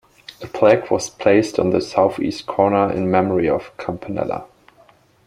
A plaque was placed on the southeast corner in memory of Campanella.